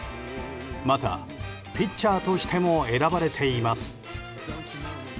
またピッチャーとしても選ばれています。